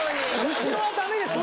後ろはダメですよね。